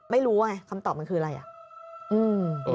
ไม่รู้ว่าไงคำตอบมันคืออะไร